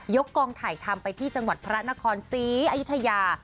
ยกกองถ่ายธรรมไปที่จังหวัดพระนครซีอายุทยา